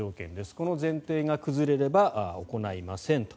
この前提が崩れれば行いませんと。